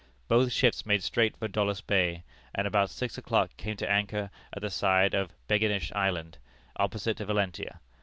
Both ships made straight for Doulus Bay, and about six o'clock came to anchor at the side of Beginish Island, opposite to Valentia.